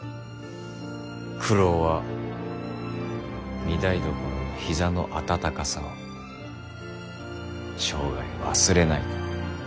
九郎は御台所の膝の温かさを生涯忘れないと。